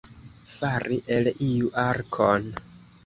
Fari el iu arkon.